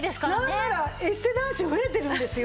なんならエステ男子増えてるんですよ。